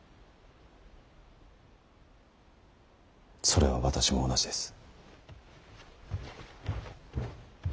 それは私も同じです。